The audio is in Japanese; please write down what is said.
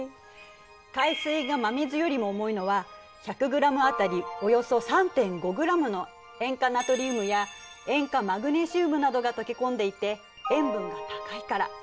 海水が真水よりも重いのは１００グラム当たりおよそ３．５グラムの塩化ナトリウムや塩化マグネシウムなどが溶け込んでいて塩分が高いから。